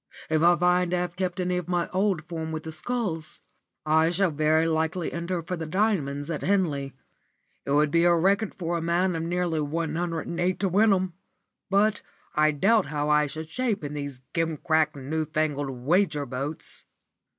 If I find I have kept any of my old form with the sculls, I shall very likely enter for the 'Diamonds' at Henley. It would be a record for a man of nearly one hundred and eight to win 'em. But I doubt how I should shape in these gimcrack, new fangled wager boats."